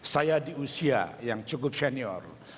saya di usia yang cukup senior